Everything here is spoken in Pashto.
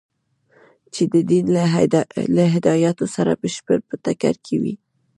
چې د دین له هدایاتو سره بشپړ په ټکر کې وي.